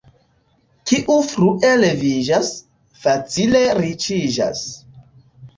Kiu frue leviĝas, facile riĉiĝas.